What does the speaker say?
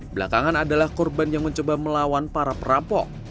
belakangan adalah korban yang mencoba melawan para perampok